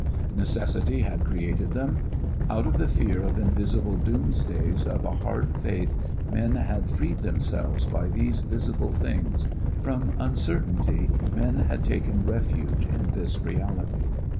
Necessity had created them. Out of the fear of invisible doomsdays of a hard faith men had freed themselves by these visible things; from uncertainty men had taken refuge in this reality.